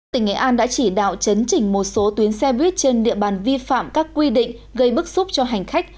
tỉnh nghệ an đã chỉ đạo chấn chỉnh một số tuyến xe buýt trên địa bàn vi phạm các quy định gây bức xúc cho hành khách